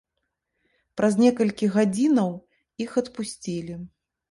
Праз некалькі гадзінаў іх адпусцілі.